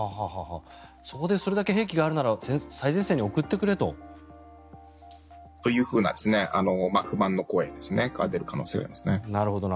そこでそれだけ兵器があるなら最前線に送ってくれと。というふうな不満の声が出る可能性がありますね。